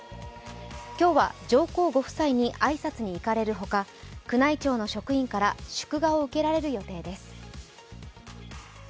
今日は上皇ご夫妻に挨拶に行かれるほか宮内庁の職員から祝賀を受けられる予定です。